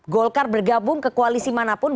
golkar bergabung ke koalisi manapun